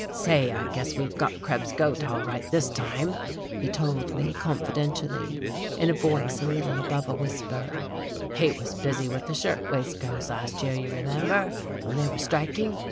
"Say, I guess we've got Krebs's goat all right, this time," he told me confidentially, in a voice a little above a whisper; "he was busy with the shirt waist girls last year, you remember, when they were striking.